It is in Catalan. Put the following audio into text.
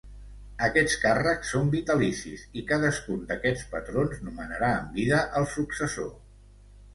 Aquests càrrecs són vitalicis i cadascun d'aquests patrons nomenarà en vida el successor.